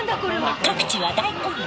各地は大混乱。